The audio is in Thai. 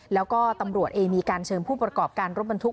แล้วก็ตำรวจเองมีการเชิญผู้ประกอบการรถบรรทุก